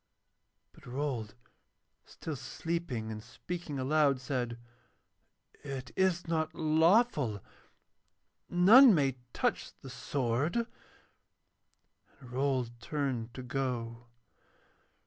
And Rold, still sleeping and speaking aloud, said: 'It is not lawful; none may touch the sword.' And Rold turned to go.